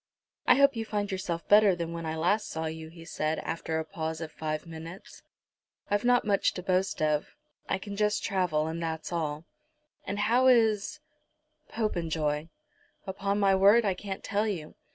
"I hope you find yourself better than when I last saw you," he said, after a pause of five minutes. "I've not much to boast of. I can just travel, and that's all." "And how is Popenjoy?" "Upon my word I can't tell you.